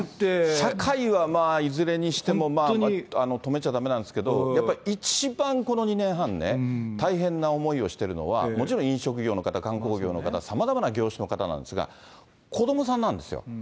社会はまあ、いずれにしても、止めちゃだめなんですけど、やっぱり一番この２年半ね、大変な思いをしているのは、もちろん飲食業の方、観光業の方、さまざまな業種の方なんですが、子どもさんなんですよ。